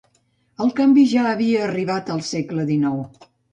El canvi ja havia arribat al segle XIX.